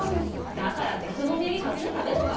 だからって人のお土産勝手に食べるか？